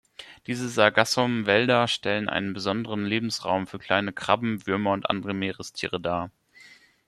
Diese Sargassum-„Wälder“ stellen einen besonderen Lebensraum für kleine Krabben, Würmer und andere Meerestiere dar.